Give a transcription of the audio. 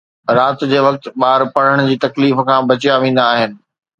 رات جي وقت، ٻار پڙهڻ جي تڪليف کان بچيا ويندا آهن